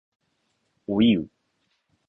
おいう